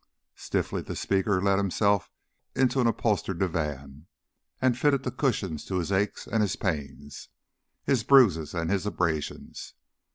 Stiffly the speaker let himself into an upholstered divan and fitted the cushions to his aches and his pains, his bruises and his abrasions.